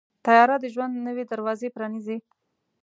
طیاره د ژوند نوې دروازې پرانیزي.